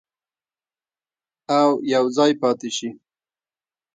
او یوځای پاتې شي.